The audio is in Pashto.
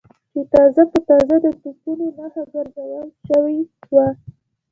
چې تازه په تازه د توپونو نښه ګرځول شوي و.